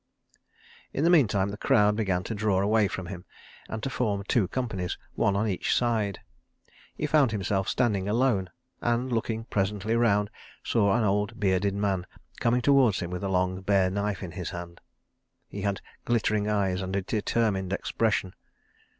In the meantime the crowd began to draw away from him and to form two companies, one on each side. He found himself standing alone, and looking presently round, saw an old bearded man coming towards him with a long bare knife in his hand. He had glittering eyes and a determined expression.